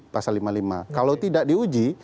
pasal lima puluh lima kalau tidak diuji